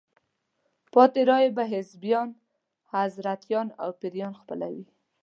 پاتې رایې به حزبیان، حضرتیان او پیران خپلوي.